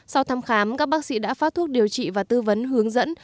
sau thăm khám các bác sĩ đã phát thuốc điều trị và tư vấn hướng dẫn